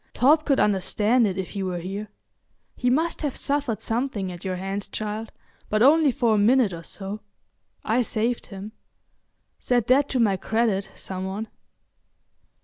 Torp could understand it if he were here; he must have suffered something at your hands, child, but only for a minute or so. I saved him. Set that to my credit, some one."